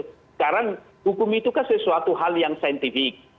sekarang hukum itu kan sesuatu hal yang saintifik